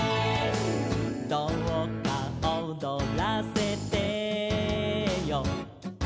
「どうか踊らせてよ」